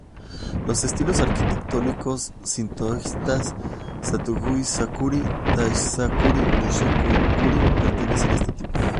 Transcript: Los estilos arquitectónicos sintoístas "kasuga-zukuri", "taisha-zukuri" y "sumiyoshi-zukuri" pertenecen a este tipo.